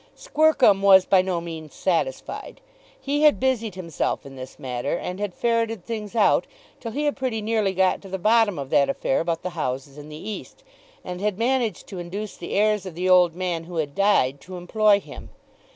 Squercum was by no means satisfied. He had busied himself in this matter, and had ferreted things out, till he had pretty nearly got to the bottom of that affair about the houses in the East, and had managed to induce the heirs of the old man who had died to employ him.